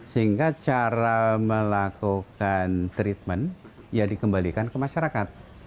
sehingga cara melakukan treatment ya dikembalikan ke masyarakat